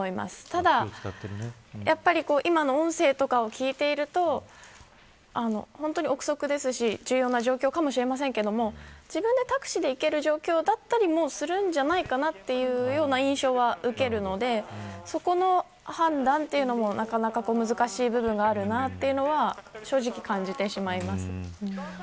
ただ、やっぱり今の音声とかを聞いていると本当に臆測ですし重要な状況かもしれませんが自分でタクシーで行けるような状況だったりもするんじゃないかなというような印象は受けるのでそこの判断というのもなかなか難しい部分があるなというのは正直、感じてしまいます。